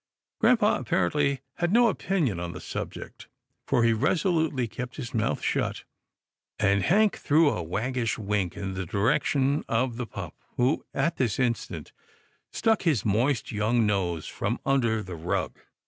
Grampa apparently had no opinion on the sub ject, for he resolutely kept his mouth shut, and GRAMPA'S DRIVE 143 Hank threw a waggish wink in the direction of the pup, who at this instant stuck his moist young nose from under the rug.